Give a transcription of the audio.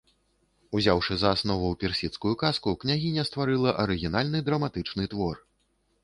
Узяўшы за аснову персідскую казку, княгіня стварыла арыгінальны драматычны твор.